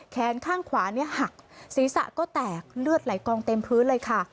แขนข้างขวาเนี่ยหักศีรษะก็แตกเลือดไหลกองเต็มพื้นเลยค่ะ